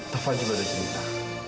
taufan juga udah cerita